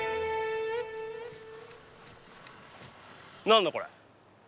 何だこれ。